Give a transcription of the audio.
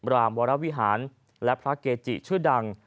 รามวรวิหารและพระเกจิชื่อดัง